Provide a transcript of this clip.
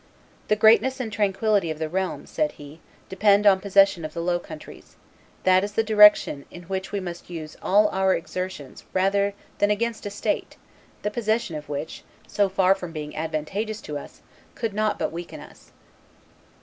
"The greatness and tranquillity of the realm," said he, "depend on possession of the Low Countries; that is the direction in which we must use all our exertions rather than against a state, the possession of which, so far from being advantageous to us, could not but weaken us."